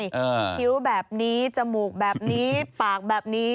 คิ้วแบบนี้จมูกแบบนี้ปากแบบนี้